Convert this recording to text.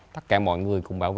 tất cả mọi người cũng có thể bảo vệ